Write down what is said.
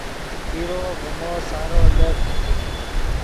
پیرو ڤیمو سارو لک